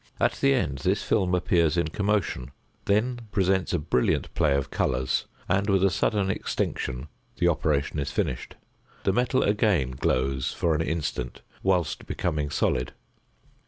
At the end this film appears in commotion, then presents a brilliant play of colours, and, with a sudden extinction, the operation is finished. The metal again glows for an instant whilst becoming solid.